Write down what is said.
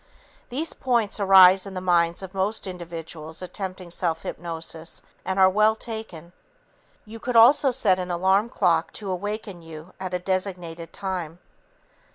These points arise in the minds of most individuals attempting self hypnosis and are well taken. You could also set an alarm clock to awaken you at a designated time.